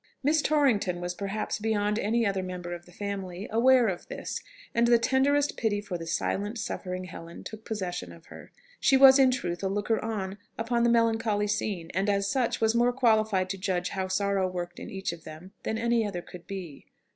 Miss Torrington was perhaps beyond any other member of the family aware of this, and the tenderest pity for the silent, suffering Helen took possession of her. She was in truth a looker on upon the melancholy scene, and as such, was more qualified to judge how sorrow worked in each of them than any other could be.